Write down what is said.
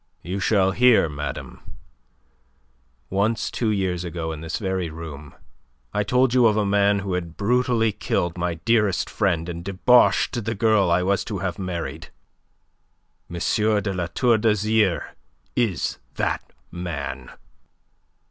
"You shall hear, madame. Once, two years ago in this very room I told you of a man who had brutally killed my dearest friend and debauched the girl I was to have married. M. de La Tour d'Azyr is that man."